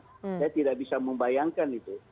saya tidak bisa membayangkan itu